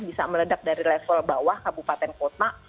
bisa meledak dari level bawah kabupaten kota